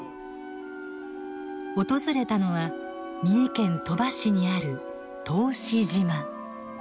訪れたのは三重県鳥羽市にある答志島。